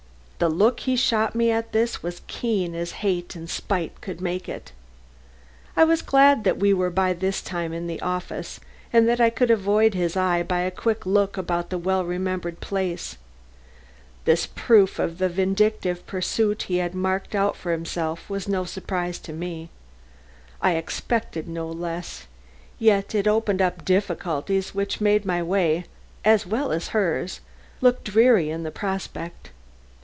The look he shot me at this was keen as hate and spite could make it. I was glad that we were by this time in the office, and that I could avoid his eye by a quick look about the well remembered place. This proof of the vindictive pursuit he had marked out for himself was no surprise to me. I expected no less, yet it opened up difficulties which made my way, as well as hers, look dreary in the prospect.